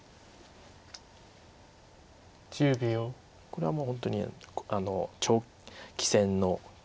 これはもう本当に長期戦の構えです